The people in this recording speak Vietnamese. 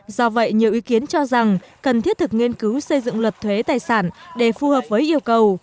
do vậy nhiều ý kiến cho rằng cần thiết thực nghiên cứu xây dựng luật thuế tài sản để phù hợp với yêu cầu